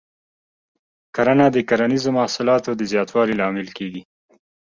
کرنه د کرنیزو محصولاتو د زیاتوالي لامل کېږي.